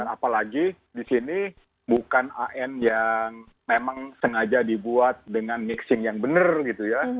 apalagi di sini bukan an yang memang sengaja dibuat dengan mixing yang benar gitu ya